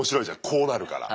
こうなるから。